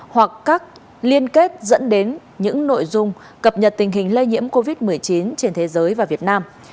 hoặc các liên kết dẫn đến những nội dung cập nhật tình hình lây nhiễm covid một mươi chín trên thế giới và việt nam